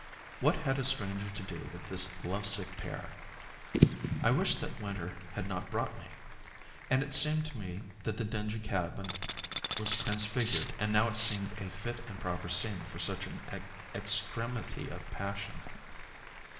What had a stranger to do with this love sick pair? I wished that Winter had not brought me. And it seemed to me that the dingy cabin was transfigured and now it seemed a fit and proper scene for such an extremity of passion.